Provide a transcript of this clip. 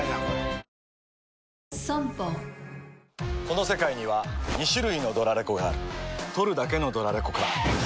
この世界には２種類のドラレコがある録るだけのドラレコか・ガシャン！